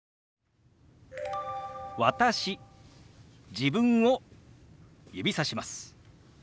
自分を指さします。